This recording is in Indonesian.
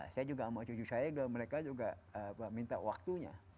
saya juga sama cucu saya mereka juga minta waktunya